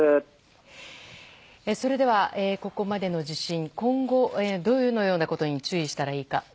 それではここまでの地震どのようなことに注意したほうがいいか。